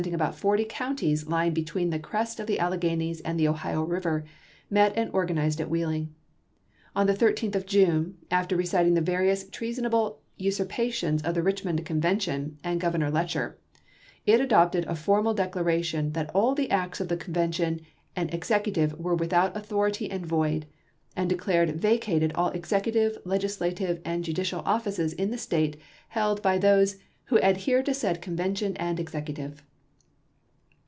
ing about forty counties lying between the crest of the Alleghanies and the Ohio Eiver met and organized at Wheeling. On the 13th of June, after reciting the various treasonable usurpations of the Richmond Convention and Grovernor Letcher, it adopted a formal declaration that all the acts of the convention and executive were without author ity and void, and declared vacated all executive, legislative, and judicial offices in the State held by those " who adhere to said convention and ex ecutive."